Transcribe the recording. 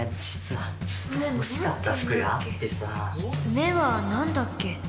「目は」何だっけ？